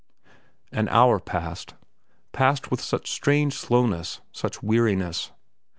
An hour passed; passed with such strange slowness, such weariness.